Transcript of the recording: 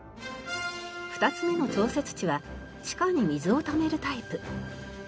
２つ目の調節池は地下に水を貯めるタイプ。